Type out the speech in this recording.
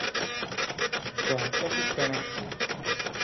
Tɔha sa ku kana.